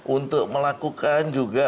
untuk melakukan juga